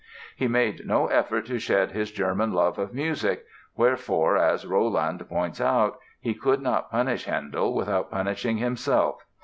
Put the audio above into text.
He made no effort to shed his German love of music, wherefore as Rolland points out, "he could not punish Handel without punishing himself."